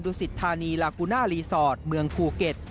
สิตธานีลากูน่ารีสอร์ทเมืองภูเก็ต